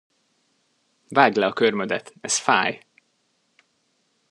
Vágd le a körmödet, ez fáj!